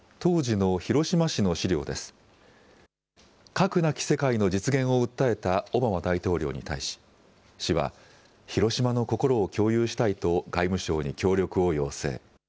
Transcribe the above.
核なき世界の実現を訴えたオバマ大統領に対し市はヒロシマの心を共有したいと外務省に協力を要請。